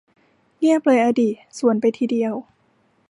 เงียบเลยอะดิ สวนไปทีเดียว